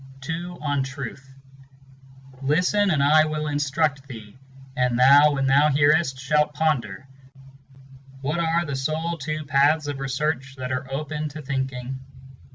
1 II. On Truth. 11 "Listen, and I will instruct theeŌĆö and thou, when thou hearest, shalt ponder What are the sole two paths of research that are open to thinking.